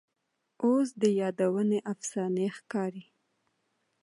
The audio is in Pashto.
اوس دي یادونه افسانې ښکاري